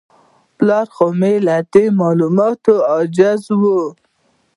پلار خو مې له دې معلوماتو عاجز و.